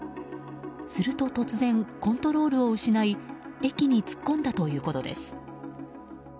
すると突然、コントロールを失い駅に突っ込んだということです。